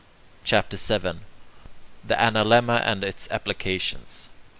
CHAPTER VII THE ANALEMMA AND ITS APPLICATIONS 1.